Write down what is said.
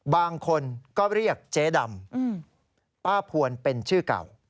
บางคนก็เรียกเจ๊ดำป้าพวนเป็นชื่อเก่า